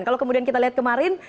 kalau kemudian kita lihat kemarin